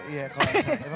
iya kalau misalnya